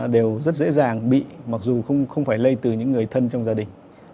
đều rất dễ dàng bị mặc dù không phải lây từ những người thân trong gia đình